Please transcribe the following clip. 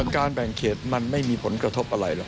การแบ่งเขตมันไม่มีผลกระทบอะไรหรอก